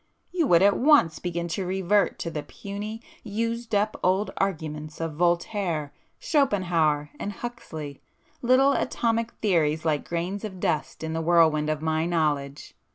You would at once begin to revert to the puny, used up old arguments of Voltaire, Schopenhauer and Huxley,—little atomic theories like grains of dust in the whirlwind of My knowledge!